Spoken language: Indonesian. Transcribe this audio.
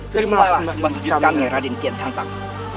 terimalah semua sujud kami raden kian santang